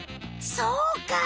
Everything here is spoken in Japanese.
そうか。